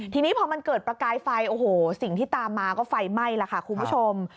ทีนี้พอมันเกิดประกายไฟโอ้โหสิ่งที่ตามมาก็ไฟไหม้แล้วค่ะคุณผู้ชม